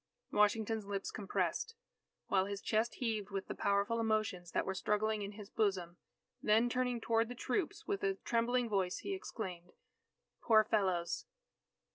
Washington's lips compressed, while his chest heaved with the powerful emotions that were struggling in his bosom. Then turning toward the troops, with a trembling voice, he exclaimed: "Poor fellows!"